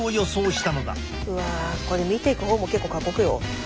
うわこれ見ていく方も結構過酷よ。